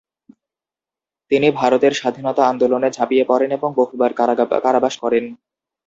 তিনি ভারতের স্বাধীনতা আন্দোলনে ঝাঁপিয়ে পড়েন এবং বহুবার কারাবাস করেন।